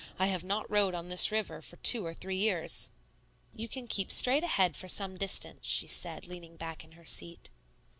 "I have not rowed on this river for two or three years." "You can keep straight ahead for some distance," she said, leaning back in her seat.